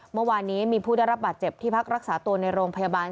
เมื่อวานนี้มีผู้ได้รับบาดเจ็บที่พักรักษาตัวในโรงพยาบาล